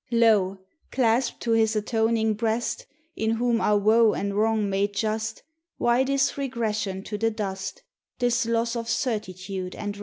Lo! claspt to His atoning breast In Whom are woe and wrong made just, Why this regression to the dust This loss of certitude and rest?